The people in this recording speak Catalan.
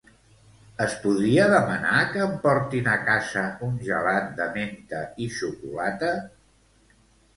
Es podria demanar que em portin a casa un gelat de menta i xocolata?